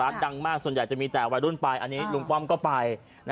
ร้านดังมากส่วนใหญ่จะมีแต่วัยรุ่นปลายอันนี้ลุงปว่ำก็ไป